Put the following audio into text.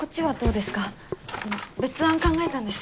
別案考えたんです。